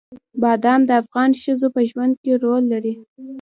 بادام د افغان ښځو په ژوند کې رول لري.